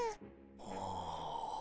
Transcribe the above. ああ。